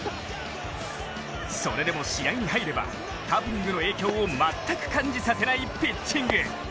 それでも試合に入ればハプニングの影響を全く感じさせないピッチング。